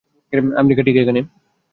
America ঠিক এখানে।